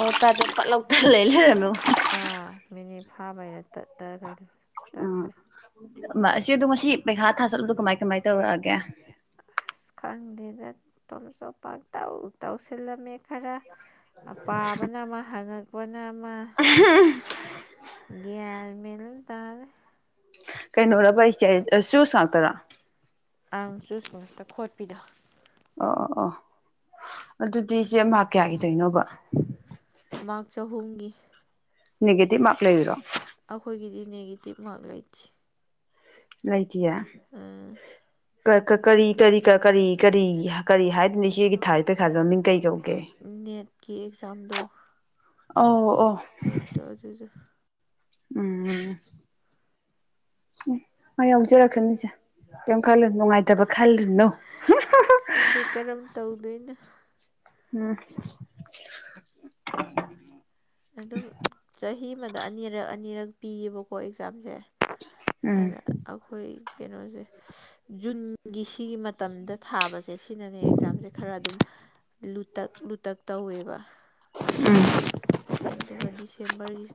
ꯑꯣ ꯇꯗꯦ ꯄꯠ ꯂꯥꯎ ꯇꯠ ꯂꯩ ꯂꯩ [unintelligible] ꯐꯥꯕꯩꯅ ꯇꯛꯈ꯭ꯔꯦ ꯃꯥ ꯦ ꯑ ꯈꯪꯗꯦ ꯇꯣꯝ ꯆꯣ ꯄꯥꯛ ꯇꯥꯎ ꯇꯧꯁꯤꯜꯂꯝꯃꯦ ꯈꯔ ꯄꯥꯕꯅ ꯑꯃ ꯍꯉꯛ ꯅꯃ ꯒ꯭ꯔꯃꯤꯂ ꯇꯔ ꯑꯪ ꯆꯨꯁꯇ ꯈꯣꯠꯄꯤꯗꯣ ꯑꯣ ꯑꯣ ꯑꯣ ꯑꯗꯨꯗꯤ ꯏꯆꯦ ꯃꯥ ꯀꯌꯥꯒꯤꯗꯣꯏꯅꯣꯕ ꯅꯒꯦꯇꯕ ꯃꯥꯀꯂꯦꯗꯔꯣ ꯑꯩꯈꯣꯏꯒꯤꯗꯤ ꯅꯦꯒꯦꯇꯤꯞ ꯃꯥꯔꯛ ꯂꯩꯇ꯭ꯦ ꯂꯩꯥꯏ ꯎꯝ ꯀꯔꯤ ꯀꯔꯤ ꯀꯔꯤ ꯀꯔꯤ ꯀꯔꯤ ꯍꯥꯏꯗꯣꯏꯅꯤ ꯁꯤꯒꯤ ꯊꯥꯏ ꯄꯩ ꯊꯥꯗꯕꯅꯤ ꯀꯩꯗꯧ ꯅꯦꯠꯀꯤ ꯑꯦꯛꯖꯥꯝꯗꯨꯣ ꯑꯣ ꯑꯣ ꯎꯝ ꯎ ꯃ ꯌꯧꯖꯔꯛꯀꯅꯤꯁꯦ ꯀꯩꯣꯝ ꯈꯜꯂ ꯅꯨꯡꯉꯥꯏꯇꯕ ꯈꯜꯂꯅꯣ ꯈꯪꯗꯦ ꯀꯔꯝ ꯇꯧꯗꯣꯏꯅꯣ ꯎꯝ ꯑꯗꯨꯝ ꯆꯍꯤ ꯑꯃꯗ ꯑꯅꯤꯔꯛ ꯑꯅꯤꯔꯛ ꯄꯤꯌꯦꯕꯀꯣ ꯑꯦꯛꯖꯥꯝꯁꯦ ꯑꯗ ꯑꯩꯈꯣꯏ ꯀꯩꯅꯣꯁꯦ ꯖꯨꯟꯒꯤ ꯁꯤꯒꯤ ꯃꯇꯝꯗ ꯊꯥꯕꯁꯦ ꯁꯤꯅꯅꯦ ꯑꯦꯛꯖꯥꯝꯁꯦ ꯈꯔ ꯑꯗꯨꯝ ꯂꯨꯇꯛ ꯂꯨꯇꯛ ꯇꯧꯋꯦꯕ ꯎꯝ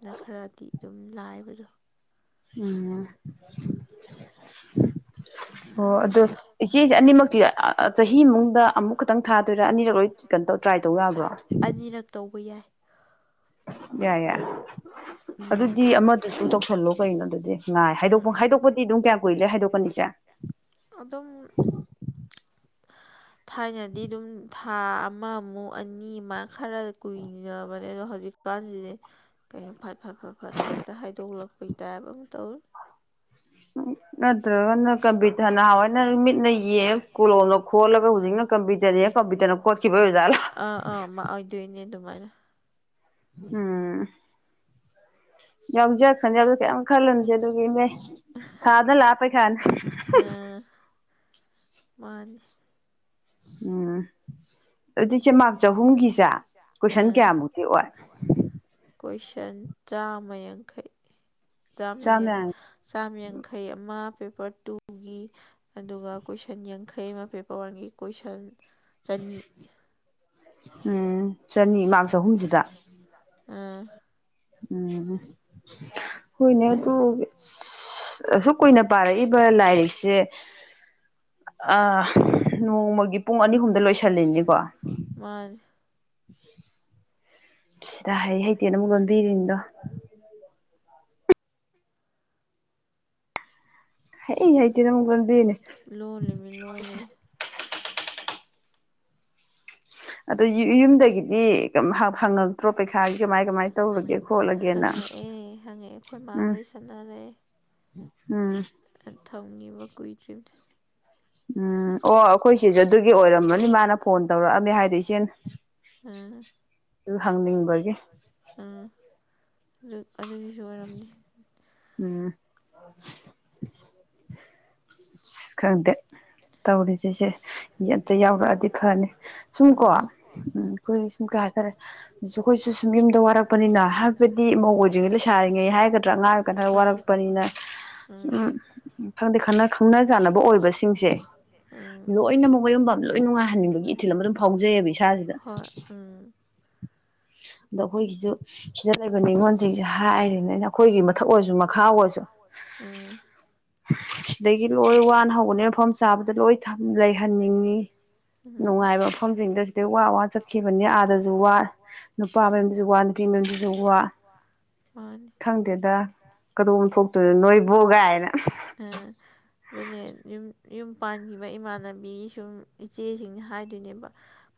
ꯅ ꯈꯔꯗꯤ ꯑꯗꯨꯝ ꯂꯥꯏꯕꯗꯣ ꯎꯝ ꯑꯣ ꯑꯗꯨꯗꯣ ꯏꯆꯦꯁꯦ ꯑꯅꯤꯃꯛꯇꯤ ꯆꯍꯤ ꯃꯅꯨꯡꯗ ꯑꯃꯨꯛ ꯈꯛꯇꯪ ꯊꯥꯗꯣꯏꯔꯥ ꯑꯅꯤꯔ ꯂꯣꯏ ꯀꯩꯅꯣ ꯇꯧꯗ꯭ꯔꯥ ꯑꯅꯤꯔꯛ ꯇꯧꯕ ꯌꯥꯏ ꯌꯥꯏ ꯌꯥꯏ ꯑꯗꯨꯗꯤ ꯑꯃꯗꯨꯁꯨ ꯇꯧꯁꯜꯂꯣ ꯀꯩꯅꯣ ꯑꯗꯨꯗꯤ ꯉꯥꯏ ꯍꯥꯏꯗꯣꯛꯄ ꯍꯥꯏꯗꯣꯛꯄꯗꯤ ꯑꯗꯨꯝ ꯀꯌꯥꯝ ꯀꯨꯏꯔꯦ ꯍꯥꯏꯗꯣꯛꯀꯅꯤꯁꯦ ꯑꯗꯨꯗꯝ ꯊꯥꯏꯅꯗꯤ ꯑꯗꯨꯝ ꯊꯥ ꯑꯃꯃꯨꯛ ꯑꯅꯤ ꯃꯥꯥꯏ ꯈꯔ ꯀꯨꯏꯅꯕꯅꯦ ꯑꯗꯣ ꯍꯧꯖꯤꯛꯀꯥꯟꯁꯤꯗꯤ ꯀꯩꯅꯣ ꯐꯠ ꯐꯠ ꯐ ꯐꯠ ꯍꯦꯛꯇ ꯍꯥꯏꯗꯣꯛꯂꯛꯄꯩ ꯇꯥꯏꯞ ꯑꯃ ꯇꯧꯔ ꯑ ꯅꯠꯇ꯭ꯔꯒꯅ ꯀꯝꯄ꯭ꯌꯨꯇꯔ ꯅꯍꯥꯟꯋꯥꯏꯅ ꯃꯤꯠꯅ ꯌꯦꯛ ꯀꯣꯂꯣꯝꯅ ꯈꯣꯠꯂꯒ ꯍꯧꯖꯤꯛꯅ ꯀꯝꯄ꯭ꯌꯨꯇꯔ ꯌꯦꯛ ꯁꯕꯤꯇꯅ ꯄꯆꯕꯖꯂ ꯎꯝ ꯌꯥꯎꯖ ꯈꯟꯖꯕꯗꯣ ꯀꯩꯨ ꯈꯜꯂꯝꯂꯝꯁꯦ ꯑꯗꯨꯒꯤ ꯏꯅꯦ ꯊꯥꯗ ꯂꯥꯛꯄꯩꯈꯥꯅꯦ [inaudible] ꯃꯥꯅꯤ ꯎꯝ ꯑꯗꯨꯏꯁꯦ ꯃꯥꯔꯛ ꯆꯍꯨꯝꯒꯤꯁꯦ ꯀꯣꯏꯁꯟ ꯀꯌꯥꯃꯨꯛꯇꯤ ꯑꯣꯏ ꯀꯣꯏꯁꯟ ꯆꯥꯝꯃ ꯌꯥꯡꯈꯩ ꯆꯥꯝꯃꯡ ꯆꯥꯝꯌꯥꯡꯈꯩ ꯑꯃ ꯄꯦꯄꯔ ꯇꯨꯒꯤ ꯑꯗꯨꯒ ꯀꯣꯏꯁꯟ ꯌꯥꯡꯈꯩ ꯑꯃ ꯄꯦꯄꯔ ꯋꯥꯟꯒꯤ ꯀꯣꯏꯁꯟ ꯑꯅꯤ ꯎꯝ ꯆꯅꯤꯃꯥꯡ ꯆꯍꯨꯝꯁꯤꯗ ꯑꯥ ꯎꯝ ꯍꯣꯏꯅ ꯇꯣ ꯑꯁꯨꯛ ꯀꯨꯏꯅ ꯄꯥꯔꯛꯏꯕ ꯂꯥꯏꯔꯤꯛꯁꯦ ꯑ ꯅꯣꯡꯃꯒꯤ ꯄꯨꯡ ꯑꯅꯤ ꯑꯍꯨꯝꯗ ꯂꯣꯏꯁꯤꯜꯂꯤꯅꯤꯀꯣ [unintelligible] ꯁꯤꯗ ꯍꯩ ꯍꯩꯇꯦ ꯑꯃꯨꯛ ꯂꯣꯟꯕꯤꯔꯤꯅꯤꯗꯣ ꯍꯩ ꯍꯥꯏꯇ ꯅꯪꯒꯕꯦꯅꯦ ꯑꯗ ꯏꯌꯨꯝꯗꯒꯤ ꯍꯪꯉꯛꯑꯦ ꯍꯪꯉꯛꯑꯦ ꯃꯥ ꯋꯥꯔꯤ ꯁꯅꯔꯛꯏ ꯊꯝꯒꯤꯕ ꯀꯨꯏꯗꯔ꯭ꯦ ꯎꯝ ꯑꯣ ꯑꯩꯈꯣꯏ ꯁꯤꯁꯨꯦ ꯑꯗꯨꯒꯤ ꯑꯣꯏꯔꯝꯃꯅꯤ ꯃꯥꯅ ꯐꯣꯟ ꯇꯧꯔꯛꯑꯝꯃꯦ ꯍꯥꯏꯗꯤ ꯏꯆꯦꯅ ꯑꯗꯨ ꯍꯪꯅꯤꯪꯕꯒꯤ ꯑꯗꯨ ꯑꯗꯨꯒꯤꯁꯨ ꯑꯣꯏꯔꯝꯅꯤ ꯎꯝ ꯅꯔꯠ꯭ ꯈꯪꯗꯦ ꯇꯧꯔꯤꯁꯦꯁꯦ ꯑꯝꯇ ꯌꯥꯎꯔꯛꯑꯗꯤ ꯐꯅꯤ ꯁꯨꯝꯀꯣ ꯎꯝ ꯑꯩꯈꯣꯏ ꯁꯨꯝ ꯀꯥꯏ ꯐꯔꯦ ꯑꯗꯨꯁꯨ ꯑꯩꯈꯣꯏꯁꯨ ꯁꯨꯝ ꯌꯨꯝꯗ ꯋꯥꯔꯛꯄꯅꯤꯅ ꯍꯥꯏꯕꯗꯤ ꯃꯧ ꯑꯣꯏ꯭ꯔꯤꯉꯩ ꯂꯩꯁꯥꯔꯤꯉꯩ ꯍꯥꯏꯒꯗ꯭ꯔꯥ ꯑꯉꯥꯡ ꯀꯩꯅ ꯋꯥꯔꯛꯄꯅꯤꯅ ꯎ ꯈꯪꯗꯦ ꯈ ꯈꯪꯅꯖꯥꯟꯅꯕ ꯑꯣꯏꯕꯁꯤꯡꯁꯦ ꯂꯣꯏꯅꯃꯛꯨꯛ ꯋꯥꯌꯨꯝꯕꯝ ꯂꯣꯏ ꯅꯨꯡꯉꯥꯏꯍꯟꯅꯤꯡꯕꯒꯤ ꯏꯊꯤꯜ ꯑꯃ ꯑꯗꯨꯝ ꯐꯥꯎꯖꯩꯑꯕ ꯏꯁꯥꯁꯤꯗ ꯑꯗꯣ ꯑꯩꯈꯣꯏꯒꯤꯁꯨ ꯁꯤꯗ ꯂꯩꯕ ꯅꯤꯉꯣꯜꯁꯤꯡꯁꯦ ꯍꯥꯏꯔꯤꯅꯤ ꯑꯩꯅ ꯑꯩꯈꯣꯏꯒꯤ ꯃꯊꯛ ꯑꯣꯏꯁꯨ ꯃꯈꯥ ꯑꯣꯏꯔꯁꯨ ꯑꯗꯒꯤ ꯂꯣꯏ ꯋꯥꯅ ꯍꯧꯧꯕꯅꯤ ꯃꯐꯝ ꯆꯥꯕꯗ ꯂꯣꯏ ꯂꯩꯍꯟꯅꯤꯡꯉꯤ ꯅꯨꯡꯉꯥꯏꯕ ꯃꯐꯝꯁꯤꯡꯗ ꯁꯤꯗꯩ ꯋꯥ ꯋꯥ ꯆꯠꯈꯤꯕꯅꯤ ꯑꯥꯗꯁꯨ ꯋꯥ ꯅꯨꯄꯥ ꯃꯌꯥꯝ ꯑꯃꯁꯁꯨ ꯋꯥ ꯅꯨꯄꯤ ꯁꯤꯗꯁꯨ ꯋꯥ ꯈꯪꯗꯦꯗꯥ ꯀꯗꯧꯝ ꯊꯣꯛꯇꯣꯏꯅꯣ ꯅꯣꯏꯕꯣ ꯀꯥꯏꯅ ꯑꯗꯨꯅꯦ ꯌꯨꯝ ꯌꯨꯝ ꯄꯥꯟꯈꯤꯕ ꯏꯃꯥꯟꯅꯕꯤ ꯁꯨꯝ ꯏꯆꯦꯁꯤꯡꯅ ꯍꯥꯏꯗꯣꯏꯅꯦꯕ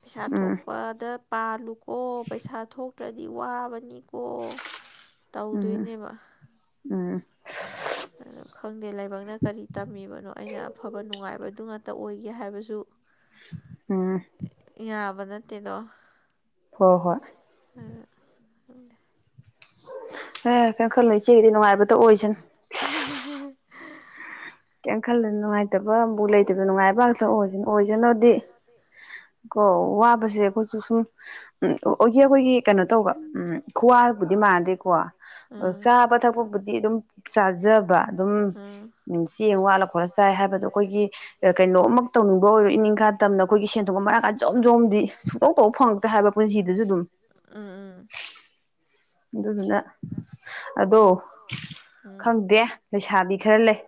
ꯄꯩꯁꯥ ꯊꯣꯛꯄꯗ ꯄꯥꯜꯂꯨꯀꯣ ꯄꯩꯁꯥ ꯊꯣꯛ ꯇ꯭ꯔꯗꯤ ꯋꯥꯕꯅꯤꯀꯣ ꯇꯧꯗꯣꯏꯅꯦꯕ ꯇꯧꯔꯣꯏꯒꯦ ꯍꯥꯏꯕꯁꯨ ꯌꯥꯕ ꯅꯠꯇꯦꯗꯣ ꯍꯣꯏ ꯍꯣꯏ [unintelligible] [unintelligible] ꯈꯔ ꯂꯩꯁꯤꯦꯗꯤ ꯅꯨꯡꯉꯥꯏꯕꯗꯣ ꯑꯣꯏꯁꯅ ꯀꯩ ꯈꯜꯂ ꯅꯨꯡꯉꯥꯏꯇꯕ ꯑꯃꯕꯨꯥꯎ ꯂꯩꯇꯕꯗ ꯅꯨꯡꯉꯥꯏꯕ ꯉꯥꯛꯇꯁꯤ ꯑꯣꯏꯁꯅꯣꯗꯤ ꯀꯣ ꯋꯥꯕꯁꯦ ꯑꯩꯈꯣꯏꯁꯨ ꯁꯨꯝ ꯎꯝ ꯍꯧꯖꯤ ꯑꯩꯈꯣꯏꯒꯤ ꯀꯩꯅꯣ ꯇꯧꯕ ꯎꯝ ꯈꯨꯋꯥ ꯃꯅꯥꯗꯦꯀꯣ ꯑꯗꯣ ꯆꯥꯕꯥ ꯊꯛꯄꯥꯕꯨꯗꯤ ꯑꯗꯨꯝ ꯆꯖꯕ ꯑꯗꯨꯝ ꯆꯦꯞ ꯋꯥꯠꯂ ꯈꯣꯠꯂ ꯆꯥꯏ ꯍꯥꯏꯕꯗꯨ ꯑꯩꯈꯒꯤ ꯀꯩꯅꯣ ꯑꯃꯛ ꯇꯧꯅꯤꯡꯕ ꯑꯣꯏꯔꯣ ꯏꯅꯤꯡꯈꯥ ꯇꯝꯅ ꯑꯩꯈꯣꯏꯒꯤ ꯁꯦꯟꯊꯣꯛ ꯑꯃ ꯃꯔꯥꯡꯀꯥꯏ ꯣꯝꯖꯣꯝꯗꯤ ꯁꯨꯡꯇꯧ ꯇꯧꯕ ꯐꯪ ꯨ ꯍꯥꯏꯕ ꯄꯨꯟꯁꯤꯗꯁꯨ ꯑꯗꯨꯝ ꯑꯗꯨꯗꯨꯅ ꯑꯗꯣ ꯈꯪꯗꯦ ꯂꯩꯁꯥꯕꯤ ꯈꯔ ꯂꯩ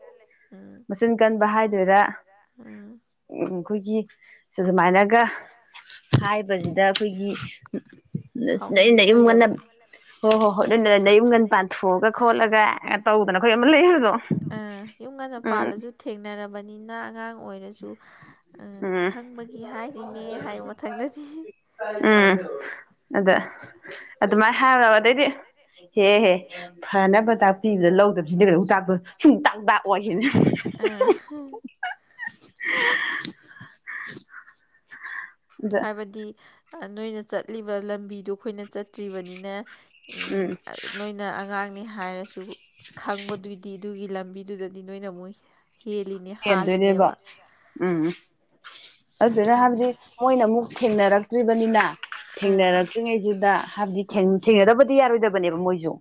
ꯃꯆꯤꯟ ꯀꯟꯕ ꯍꯥꯏꯗꯣꯏꯔ ꯎ ꯑꯩꯈꯣꯏꯒꯤ ꯑꯗꯨꯃꯥꯏꯅꯒ ꯍꯥꯏꯕꯁꯤꯗ ꯑꯩꯈꯣꯏꯒꯤꯗ ꯑꯩꯅ ꯏꯨ ꯉꯟꯅ ꯍꯣꯏ ꯍꯣꯏ ꯍꯣꯏ ꯑꯗꯨꯣꯏꯅ ꯅꯗ ꯌꯨꯝ ꯉꯟ ꯄꯥꯟꯊꯣꯛꯑꯒ ꯈꯣꯠꯂꯒ ꯇꯧꯗꯅ ꯑꯩꯈꯣꯏ ꯑꯃ ꯂꯩꯕꯗꯣ ꯌꯨꯝ ꯉꯟꯅ ꯄꯥꯜꯂꯁꯨ ꯊꯦꯡꯅꯔꯕꯅꯤꯅ ꯑꯉꯥꯡ ꯑꯣꯏꯔꯁꯨ ꯈꯪꯕꯒꯤ ꯍꯥꯏ ꯎꯝ ꯑꯗ ꯑꯗꯨꯃꯥꯏꯅ ꯍꯥꯏꯕ ꯑꯗꯩꯗꯤ ꯍꯦꯍꯦ ꯐꯅꯕ ꯇꯥꯛꯄꯤꯕꯗ ꯂꯧꯗꯕꯁꯤꯅꯦ ꯀ ꯎꯨꯇꯥꯛꯇꯣ ꯁꯨꯡꯇꯥꯡ ꯇꯥꯛꯑꯣꯏꯁꯤꯅꯦ [unintelligible] ꯍꯥꯏꯕꯗꯤ ꯅꯣꯏꯅ ꯆꯠꯂꯤꯕ ꯂꯝꯕꯤꯗꯨꯣ ꯑꯩꯈꯣꯏꯅ ꯆꯠꯇ꯭ꯔꯤꯕꯅꯤꯅ ꯎꯝ ꯅꯣꯏꯅ ꯑꯉꯥꯡꯅꯤ ꯍꯥꯏꯔꯁꯨ ꯈꯪꯕꯗꯨꯗꯤ ꯑꯗꯨꯒꯤ ꯂꯝ ꯃꯤꯗꯨꯗꯗꯤ ꯅꯣꯏꯅ ꯑꯃꯨꯛ ꯍꯦꯜꯂꯤꯅꯦ ꯍꯥꯜꯂꯤꯅꯦꯕ ꯑꯗꯨꯅ ꯍꯥꯏꯕꯗꯤ ꯃꯣꯏꯅ ꯑꯃꯨꯛ ꯊꯦꯡꯅꯔꯛꯇ꯭ꯔꯤꯕꯅꯤꯅ ꯊꯦꯡꯅꯔꯛꯇ꯭ꯔꯤꯉꯩꯗꯨꯗ ꯍꯥꯏꯕꯗꯤ ꯊꯦꯡꯅꯗꯕꯗꯤ ꯌꯥꯔꯣꯏꯗꯕꯅꯦꯕ ꯃꯣꯏꯁꯨ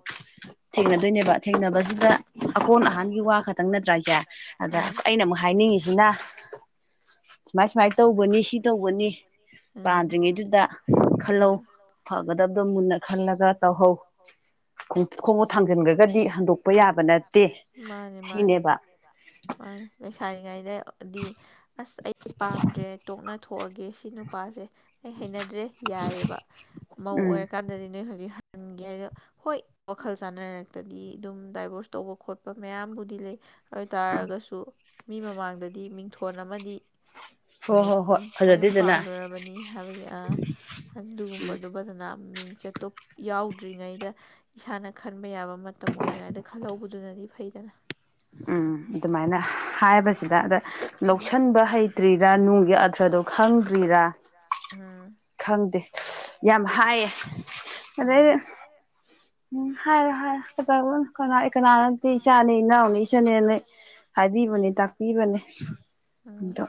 ꯊꯦꯡꯅꯗꯣꯏꯅꯦꯕ ꯊꯦꯡꯅꯕꯁꯤꯗ ꯑꯀꯣꯟ ꯑꯍꯥꯟꯒꯤ ꯋꯥ ꯈꯛꯇꯪ ꯅꯠꯇ꯭ꯔꯥ ꯍꯥꯏꯁꯦ ꯃꯥ ꯑꯩꯅ ꯑꯃꯨꯛ ꯍꯥꯏꯅꯤꯡꯉꯤꯁꯤꯅ ꯝ ꯎ ꯐꯒꯗꯕꯗꯣ ꯃꯨꯟꯅ ꯈꯜꯂꯒ ꯇꯧꯍꯧ ꯈꯣꯡꯎꯞ ꯊꯥꯡꯖꯤꯟꯈ꯭ꯔꯒꯗꯤ ꯍꯟꯗꯣꯛꯄ ꯌꯥꯕ ꯅꯠꯇꯦ ꯁꯤꯅꯦꯕ ꯃꯥ ꯂꯩꯁꯥꯔꯤꯉꯩꯗꯗꯤ ꯑꯁ ꯑꯩ ꯄꯥꯝꯗ꯭ꯔꯦ ꯇꯣꯛꯅ ꯊꯣꯛꯑꯒꯦ ꯁꯤ ꯅꯨꯄꯥꯁꯦ ꯑꯩ ꯍꯩꯅꯗ꯭ꯔꯦ ꯌꯥꯏꯑꯕ ꯃꯧ ꯑꯣꯏꯔꯀꯥꯟꯗꯗꯤ ꯅꯣꯏ ꯍꯧꯖꯤꯛ ꯍꯟꯒꯦ ꯍꯥꯏꯗ ꯍꯣꯏ ꯋꯥꯈꯜ ꯆꯥꯟꯅꯔꯛꯇꯗꯤ ꯑꯗꯨꯝ ꯗꯥꯏꯕꯣꯔꯁ ꯇꯧꯕ ꯈꯣꯠꯄ ꯃꯌꯥꯝꯕꯨꯗꯤ ꯂꯩ ꯑꯗꯨꯇꯥꯔꯒꯁꯨ ꯃꯤ ꯃꯃꯥꯡꯗꯗꯤ ꯃꯤꯡꯊꯣꯟ ꯑꯃꯗꯤ [inaudible] ꯪꯉꯦ ꯌꯨꯝ ꯃꯌꯨꯝ ꯄꯥꯜꯂꯨꯔꯕꯅꯤ ꯍꯥꯏꯕꯒꯤ ꯑ ꯑꯗꯨꯒꯨꯝꯕꯗꯨ ꯐꯖꯅ ꯃꯤꯡꯆꯠꯇꯣꯞ ꯌꯥꯎꯗ꯭ꯔꯤꯉꯩꯗ ꯏꯁꯥꯅ ꯈꯟꯕ ꯌꯥꯕ ꯃꯇꯝ ꯑꯣꯏꯔꯤꯉꯩꯗ ꯈꯜꯍꯧꯕꯗꯨꯅ ꯅꯤ ꯐꯩꯗ ꯎꯝ ꯑꯗꯨꯃꯥꯏꯅ ꯍꯥꯏꯕꯁꯤꯗ ꯑꯗ ꯂꯧꯁꯤꯟꯕ ꯍꯩꯇ꯭ꯔꯤꯔꯥ ꯅꯨꯡꯒꯤ ꯑꯥꯊ꯭ꯔꯗꯣ ꯈꯪꯗ꯭ꯔꯤꯔꯥ ꯈꯪꯗꯦ ꯌꯥꯝ ꯍꯥꯏꯌꯦ ꯑꯗꯩ ꯎꯝ ꯍꯥꯏꯔꯦ ꯍꯥꯏꯔ ꯀꯅꯥꯅꯗꯤ ꯏꯆꯥꯅꯦ ꯏꯅꯥꯎꯅꯦ ꯏꯆꯥꯅꯦꯅ ꯍꯥꯏꯕꯤꯕꯅꯦ ꯇꯥꯛꯄꯤꯕꯅꯦ ꯑꯗꯣ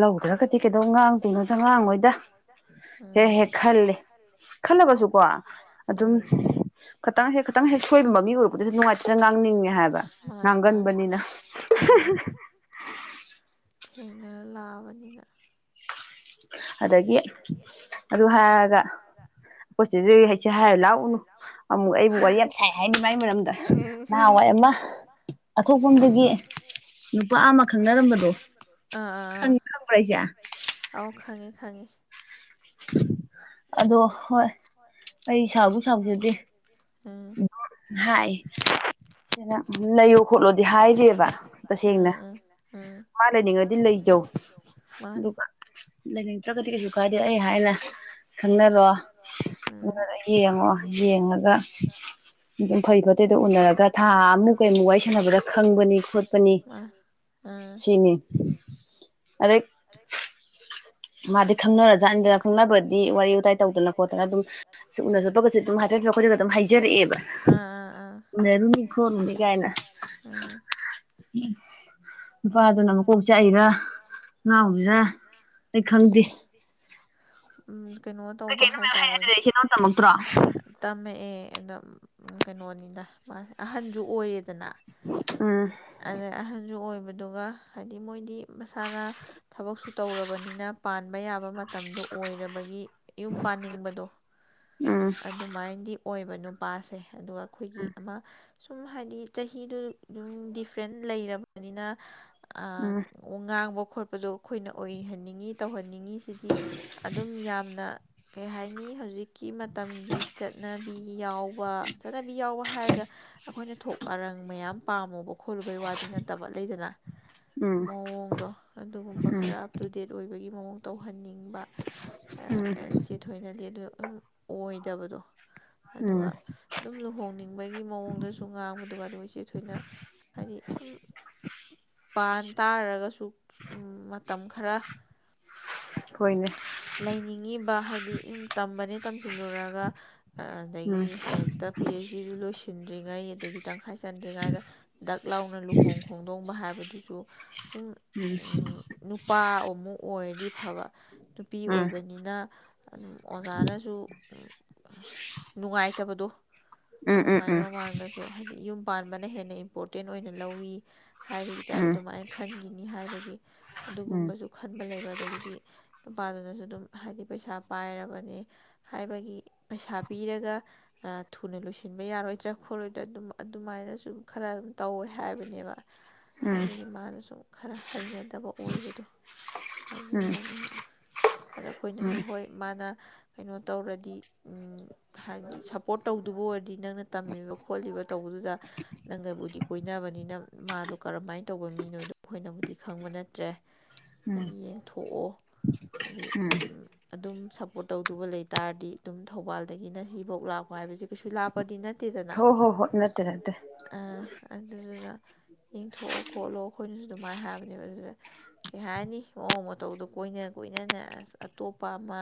ꯂꯧꯗ꯭ꯔꯒꯗꯤ ꯀꯩꯗꯧ ꯉꯥꯡꯗꯣꯏꯅꯣꯗ ꯉꯥꯡꯉꯣꯏꯗ ꯍꯦꯛ ꯍꯦꯛ ꯈꯜꯂꯤ ꯈꯜꯂꯒꯁꯨ ꯀꯣ ꯑꯗꯨꯝ ꯈꯤꯇꯪ ꯍꯦꯛ ꯈꯤꯇꯪ ꯍꯦꯛ ꯁꯣꯏꯕꯃꯤ ꯑꯣꯏꯔꯕꯗꯁꯨ ꯅꯨꯡꯉꯥꯏꯇꯅ ꯉꯥꯡꯅꯤꯡ ꯅꯪꯒꯟꯕꯅꯤꯅ ꯊꯦꯡꯅꯔ ꯂꯥꯛꯑꯕꯅꯤꯅ ꯑꯗꯒꯤ ꯑꯗꯨ ꯍꯥꯏꯔꯒ ꯑꯩꯈꯣꯏ ꯁꯤꯆꯦ ꯍꯥꯏꯁꯦ ꯍꯥꯏꯔ ꯂꯥꯛꯎꯅꯨ ꯑꯃꯨꯛ ꯑꯩꯕꯨ ꯋꯥꯔꯤ ꯌꯥꯝ ꯁꯥꯏ ꯍꯥꯏꯅꯤ ꯃꯒꯤ ꯃꯔꯝꯗ ꯅꯍ ꯑꯃ ꯑꯊ ꯁꯣꯗꯒꯤ ꯅꯨꯄꯥ ꯑꯃ ꯈꯪꯅꯔꯝꯕꯗꯣ ꯈꯪꯕ꯭ꯔꯥ ꯑꯩꯁꯦ ꯑ ꯈꯉꯦ ꯈꯥꯡꯉꯦ [inaudible] ꯑꯗꯣ ꯍꯣꯏ ꯑꯩ ꯁꯥꯎꯁꯨ ꯁꯥꯎꯖꯗꯦ ꯍꯥꯏ ꯁꯤꯅ ꯂꯩꯌꯣ ꯈꯣꯠꯂꯣꯗꯤ ꯍꯥꯏꯔꯤꯑꯕ ꯇꯁꯦꯡꯅ ꯃꯥ ꯂꯩꯅꯤꯡꯉꯗꯤ ꯂꯩꯖꯧ ꯑꯗꯨꯒ ꯂꯩꯅꯤꯡꯗ꯭ꯔꯒꯗꯤ ꯀꯩꯁꯨ ꯀꯥꯏꯗꯦ ꯀꯩ ꯍꯥꯏꯅ ꯈꯪꯅꯔꯣ ꯌꯦꯡꯉꯣ ꯌꯦꯡꯉꯒ ꯑꯗꯨꯝ ꯐꯩ ꯐꯣꯠꯇꯦꯗꯣ ꯎꯅꯔꯒ ꯊꯥ ꯑꯃꯨꯛ ꯀꯩꯃꯨꯛ ꯋꯥꯔꯤꯏ ꯁꯥꯟꯅꯕꯗ ꯈꯪꯕꯅꯤ ꯈꯣꯠꯄꯅꯤ ꯆꯅꯤ ꯑꯗ ꯃꯥꯗꯤ ꯈꯪꯅꯔꯖꯥꯠꯟꯗꯅ ꯈꯪꯅꯕꯗꯤ ꯋꯥꯔꯤ ꯋꯥꯇꯥꯏ ꯇꯧꯗꯅ ꯈꯣꯠꯇꯅ ꯑꯗꯨꯝ ꯁꯨꯅ ꯆꯠꯄꯒꯁꯦ ꯑꯗꯨꯝ ꯍꯥꯏ ꯑꯩꯈꯣꯏꯗꯒ ꯑꯗꯨꯝ ꯍꯥꯏꯖꯔꯛꯑꯦꯕ ꯎꯅꯔꯨꯅꯤ ꯈꯣꯠꯂꯨꯅꯤ ꯀꯥꯏꯅ ꯎꯝ ꯅꯨꯄꯥꯗꯨꯅ ꯃꯀꯣꯛ ꯆꯥꯛꯏꯔꯥ ꯉꯥꯎꯁꯤꯔ ꯑꯩ ꯈꯪꯗꯦ ꯎꯝ ꯀꯩꯅꯣ ꯇꯧꯕ ꯍꯥꯏ ꯀꯩꯅꯣ ꯇꯝꯃꯛꯇ꯭ꯔꯣ ꯑꯗ ꯀꯩꯅꯣꯅꯤꯗ ꯃꯥꯁ ꯑꯍꯟꯁꯨ ꯑꯣꯏꯔꯦꯗꯅ ꯑꯗ ꯑꯍꯟꯁꯨ ꯑꯣꯏꯕꯗꯨꯒ ꯍꯥꯏꯗꯤ ꯃꯣꯏꯗꯤ ꯃꯁꯥꯅ ꯊꯕꯛꯁꯨ ꯇꯧꯔꯕꯅꯤꯅ ꯄꯥꯟꯕ ꯌꯥꯕ ꯃꯇꯝꯗꯣ ꯑꯣꯏꯔꯕꯒꯤ ꯌꯨꯝ ꯄꯥꯟꯅꯤꯡꯕꯗꯣ ꯑꯗꯨꯃꯥꯏꯅꯗꯤ ꯑꯣꯏꯕ ꯅꯨꯄꯥꯁꯦ ꯑꯗꯨꯒ ꯑꯩꯈꯣꯏꯒꯤ ꯑꯃ ꯁꯨꯝ ꯍꯥꯏꯗꯤ ꯆꯍꯤꯗꯣ ꯑꯗꯨꯝ ꯗꯤꯐ꯭ꯔꯦꯟꯗ ꯂꯩꯔꯕꯅꯤꯅ ꯑ ꯋꯉꯥꯡꯕ ꯈꯣꯠꯄꯗꯣ ꯑꯩꯈꯣꯏꯅ ꯑꯣꯏꯍꯟꯅꯤꯡꯉꯤ ꯇꯧꯍꯟꯅꯤꯡꯉꯤꯁꯤꯗꯤ ꯑꯗꯨꯝ ꯌꯥꯝꯅ ꯀꯩ ꯍꯥꯏꯅꯤ ꯍꯧꯖꯤꯛ ꯀꯤ ꯃꯇꯝꯒꯤ ꯆꯠꯅꯕꯤ ꯌꯥꯎꯕ ꯆꯠꯅꯕꯤ ꯌꯥꯎꯕ ꯍꯥꯏꯔꯒ ꯑꯈꯣꯏꯅ ꯊꯣꯛ ꯑꯔꯪ ꯃꯌꯥꯝ ꯄꯥꯝꯃꯨꯕ ꯈꯣꯠꯂꯨꯕꯩ ꯋꯥꯗꯤ ꯅꯠꯇꯕ ꯂꯩ ꯃꯑꯣꯡꯗꯣ ꯑꯗꯨꯒꯨꯝꯕ ꯈꯔ ꯑꯞ ꯇꯨ ꯗꯦꯠ ꯑꯣꯏꯕꯒꯤ ꯃꯑꯣꯡ ꯇꯧꯍꯟꯅꯤꯡ ꯅꯤꯡꯕ ꯑ ꯆꯦ ꯊꯣꯏꯅꯗꯤ ꯑꯗꯨ ꯑꯣꯏꯗꯕꯗꯣ [inaudible] ꯑꯗꯨꯒ ꯑꯗꯨꯝ ꯂꯨꯍꯣꯡꯅꯤꯡꯕꯒꯤ ꯃꯑꯣꯡꯗꯁꯨ ꯉꯥꯡꯕꯗꯨꯒ ꯑꯗꯨꯝ ꯏꯆꯦ ꯊꯣꯏꯅ ꯍꯥꯏꯗꯤ ꯁꯨꯝ [inaudible] ꯄꯥꯟ ꯇꯥꯔꯒꯁꯨ ꯁꯨ ꯃꯇꯝ ꯈꯔ ꯍꯣꯏꯅꯦ ꯂꯩꯅꯤꯡꯉꯤꯕ ꯍꯥꯏꯗꯤ ꯌꯨꯝ ꯇꯝꯕꯅꯦ ꯇꯝꯁꯤꯜꯂꯨꯔꯒ ꯑꯗꯒꯤ ꯍꯦꯛꯇ ꯄꯤ ꯑꯩꯁ ꯗꯤꯗꯨ ꯂꯣꯏꯁꯤꯟꯗ꯭ꯔꯤꯉꯩ ꯑꯗꯒꯤ ꯇꯪꯈꯥꯏ ꯆꯟꯗ꯭ꯔꯤꯉꯩꯗ ꯗꯛ ꯂꯥꯎꯅ ꯂꯨꯍꯣꯡ ꯈꯣꯡ ꯆꯨ ꯁꯨꯝ ꯅꯨꯄꯥ ꯑꯃꯨꯛ ꯑꯣꯏꯔꯗꯤ ꯐꯕ ꯅꯨꯄꯤ ꯑꯣꯏꯕꯅꯤꯅ ꯑꯗꯨꯝ ꯑꯣꯖꯥꯅꯁꯨ ꯅꯨꯡꯉꯥꯏꯇꯕꯗꯣ ꯑꯣꯖꯥꯏ ꯃꯃꯥꯡꯗꯁꯨ ꯍꯥꯏꯗꯤ ꯌꯨꯝ ꯄꯥꯟꯕꯅ ꯍꯦꯟꯅ ꯏꯝꯄꯣꯔꯇꯦꯟ ꯑꯣꯏꯅ ꯂꯧꯋꯤ ꯍꯥꯏꯕꯒꯤ ꯇꯥꯏꯞ ꯑꯗꯨꯃꯥꯏ ꯈꯟꯒꯤꯅꯤ ꯍꯥꯏꯕꯒꯤ ꯑꯗꯨꯒꯨꯝꯕꯁꯨ ꯈꯟꯕ ꯂꯩꯕ ꯑꯗꯒꯤꯗꯤ ꯅꯨꯄꯥꯗꯨꯅꯁꯨ ꯑꯗꯨꯝ ꯍꯥꯏꯗꯤ ꯄꯩꯁꯥ ꯄꯥꯏꯔꯕꯅꯦ ꯍꯥꯏꯕꯒꯤ ꯄꯩꯁꯥ ꯄꯤꯔꯒ ꯑ ꯊꯨꯅ ꯂꯣꯏꯁꯤꯟꯕ ꯌꯥꯔꯣꯏꯗ꯭ꯔꯥ ꯈꯣꯠꯂꯣꯏꯗ꯭ꯔꯥ ꯑꯗꯨꯝ ꯑꯗꯨꯃꯥꯏꯅꯁꯨꯝ ꯈꯔ ꯑꯗꯨꯝ ꯇꯧꯋꯦ ꯍꯥꯏꯕꯅꯦꯕ ꯑꯗꯨꯒꯤ ꯃꯥꯅ ꯁꯨꯝ ꯈꯔ ꯍꯩꯅꯗꯕ ꯑꯣꯏꯕꯗꯣ ꯑꯗꯨꯅꯅꯦꯕ ꯑꯗ ꯑꯩꯈꯣꯏꯅꯖꯨ ꯍꯣꯏ ꯃꯥꯅ ꯀꯩꯅꯣ ꯇꯧꯔꯗꯤ ꯎꯝ ꯍꯥꯏꯗꯤ ꯁꯞꯄꯣꯔꯠ ꯇꯧꯗꯨꯕ ꯑꯣꯏꯔꯗꯤ ꯅꯪꯅ ꯇꯝꯃꯤꯕ ꯈꯣꯠꯂꯤꯕ ꯇꯧ ꯕꯨꯗꯨꯗ ꯅꯪꯒꯕꯨꯗꯤ ꯀꯣꯏꯅꯕꯅꯤꯅ ꯃꯥꯗꯣ ꯀꯔꯝꯃꯥꯏ ꯇꯧꯕ ꯃꯤꯅꯣꯏꯗꯣ ꯑꯩꯈꯣꯏꯅꯕꯨꯗꯤ ꯈꯪꯕ ꯅꯠꯇ꯭ꯔꯦ ꯍꯥꯏꯗꯤ ꯌꯦꯡꯊꯣꯛꯑꯣ ꯍꯥꯏꯗꯤ ꯑꯗꯨꯝ ꯁꯞꯄꯣꯔꯠ ꯇꯧꯗꯨꯕ ꯂꯩ ꯇꯥꯔꯗꯤ ꯑꯗꯨꯝ ꯊꯧꯕꯥꯜꯗꯒꯤꯅ ꯁꯤꯕꯧ ꯂꯥꯛꯄ ꯍꯥꯏꯕꯁꯤ ꯀꯩꯁꯨ ꯂꯥꯛꯄꯗꯤ ꯅꯠ ꯍꯣ ꯍꯣ ꯍꯣꯏ ꯅꯠꯇꯦ ꯅꯠꯇꯦ ꯌꯦꯡꯊꯣꯛꯑꯣ ꯈꯣꯠꯂꯣ ꯑꯩꯈꯣꯏꯅꯖꯨ ꯑꯗꯨꯃꯥꯏ ꯍꯥꯏꯕꯅꯦꯕ ꯑꯗꯨꯗ ꯀꯩ ꯍꯥꯏꯅꯤ ꯃꯑꯣꯡ ꯃꯇꯧꯗꯣ ꯀꯣꯏꯅ ꯀꯣꯏꯅꯅ ꯑꯁ ꯑꯇꯣꯞꯄ ꯑꯝ ꯃ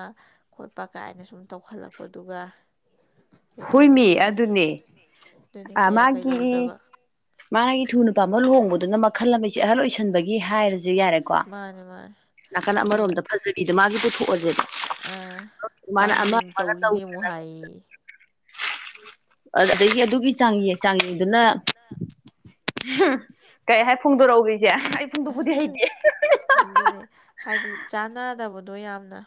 ꯈꯣꯠꯄ ꯀꯥꯏꯅ ꯁꯨꯝ ꯇꯧꯈꯠꯂꯛꯄꯗꯨꯒ [inaudible] ꯍꯣꯏꯃꯤ ꯑꯗꯨꯅꯦ ꯑꯃꯥꯒꯤ ꯃꯥꯒꯤ ꯊꯨꯅ ꯄꯤꯝꯕ ꯂꯨꯍꯣꯡꯕꯗꯨꯅ ꯃꯈꯜ ꯑꯃ ꯏꯆꯦ ꯑꯍꯜ ꯑꯣꯏꯁꯟꯕꯒꯤ ꯍꯥꯏꯔꯖꯦ ꯌꯥꯔꯦꯀꯣ ꯅꯥꯀꯟ ꯑꯃꯔꯣꯝꯗ ꯐꯖꯕꯤꯗ ꯃꯥꯖꯦ ꯄꯨꯊꯣꯛꯑꯁꯦꯕ ꯆꯥꯡꯌꯦꯡ ꯇꯧꯔꯤꯅꯦ ꯑꯃꯨꯛ ꯍꯥꯏꯌꯦꯌꯦ ꯑ ꯑꯗꯒꯤ ꯑꯗꯨꯒꯤ ꯆꯥꯡꯌꯦꯡ ꯆꯥꯡꯌꯦꯡꯗꯨꯅ ꯀꯩ ꯍꯥꯏ ꯐꯣꯡꯗꯣꯔꯛꯎꯒꯦ ꯢ ꯑꯗꯨꯅꯦ ꯍꯥꯏꯗꯤ ꯆꯥꯟꯅꯗꯕꯗꯣ ꯌꯥꯝꯅ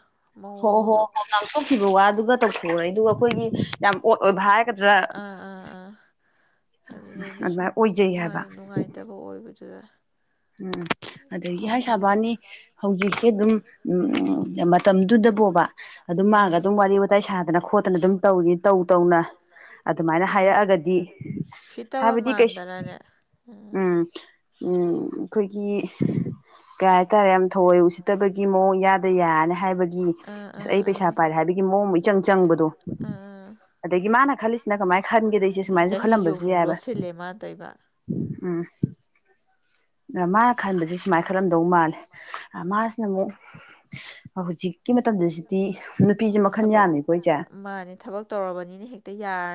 ꯍꯣ ꯍꯣ ꯍꯣ ꯉꯥꯡꯊꯣꯛꯈꯤꯕ ꯋꯥꯗꯨꯒ ꯇꯧꯊꯣꯔꯛꯏꯗꯨꯒ ꯑꯩꯈꯣꯏꯒꯤ ꯑꯣꯠ ꯑꯣꯏꯕ ꯍꯥꯏꯒꯗ꯭ꯔ ꯑꯗꯨꯗꯩꯗ ꯁꯨꯝ ꯃꯥꯒꯤ ꯅꯨꯡꯉꯥꯏꯇꯕ ꯑꯣꯏꯕꯖꯨ ꯎꯝ ꯑꯗꯒꯤ ꯍꯥꯏ ꯁꯥꯕꯋꯥꯅꯤ ꯍꯧꯖꯤꯛꯁꯦ ꯑꯗꯨꯝ ꯎꯝ ꯃꯠ ꯇꯝꯗꯨꯗꯕꯣꯕ ꯑꯗꯨꯝ ꯃꯥꯒ ꯑꯗꯨꯝ ꯋꯥꯔꯤ ꯋꯥꯇꯥꯏ ꯁꯥꯗꯅ ꯈꯣꯠꯇꯅ ꯑꯗꯨꯝ ꯇꯧꯔꯤ ꯇꯧ ꯇꯧꯅ ꯑꯗꯨꯃꯥꯏꯅ ꯍꯥꯏꯔꯛꯑꯒꯗꯤ ꯍꯥꯏꯕꯗꯤ ꯀꯩꯁ ꯎꯝ ꯎꯝ ꯈꯣꯏꯒꯤ ꯀꯩ ꯍꯥꯏꯇꯥꯔꯦ ꯌꯥꯝ ꯊꯑꯣꯏ ꯎꯁꯤꯠꯇꯕꯒꯤ ꯃꯑꯣꯡ ꯏꯌꯥꯗ ꯌꯥꯔꯅꯤ ꯍꯥꯏꯕꯒꯤ ꯑꯁ ꯑꯩ ꯄꯩꯁꯥ ꯄꯥꯏꯔꯦ ꯍꯥꯏꯕꯒꯤ ꯃꯣ ꯑꯣꯡꯃ ꯏꯆꯪ ꯆꯪꯕꯗꯣ ꯑꯗꯒꯤ ꯃꯥꯅ ꯈꯜꯂꯤꯁꯤꯅ ꯀꯃꯥꯏ ꯈꯟꯒꯦꯗ ꯏꯆꯦ ꯁꯨꯃꯥꯏꯅꯁꯨ ꯈꯜꯂꯝꯕꯖꯨ ꯌꯥꯏꯑꯦꯕ ꯎꯝ ꯃꯥꯅ ꯈꯟꯕꯁꯦ ꯁꯨꯃꯥꯏꯅ ꯈꯜꯂꯝꯗꯧ ꯃꯥꯜꯂꯦ ꯃꯥꯁꯤꯅ ꯑꯃꯨꯛ ꯍꯧꯖꯤꯛꯀꯤ ꯃꯇꯝꯗꯁꯤꯗꯤ ꯊꯕꯛ ꯃꯥꯅꯦ ꯊꯕꯛ ꯇꯧꯔꯕꯅꯤꯅ ꯍꯦꯛꯇ ꯌꯥꯔꯅꯤ